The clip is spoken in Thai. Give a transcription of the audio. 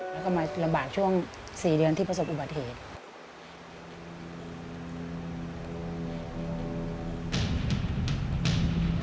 แล้วก็มาระบาดช่วง๔เดือนที่ประสบอุบัติเหตุ